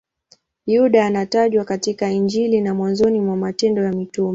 Yuda anatajwa katika Injili na mwanzoni mwa Matendo ya Mitume.